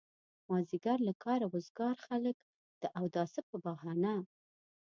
مازيګر له کاره وزګار خلک د اوداسه په بهانه.